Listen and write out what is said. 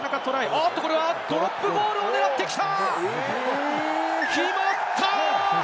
おっと、これは、ドロップゴールを狙ってきた！